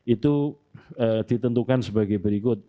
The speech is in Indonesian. itu ditentukan sebagai berikut